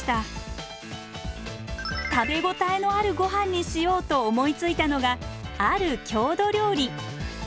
食べ応えのあるごはんにしようと思いついたのがある郷土料理。